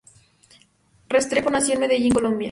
Restrepo nació en Medellín, Colombia.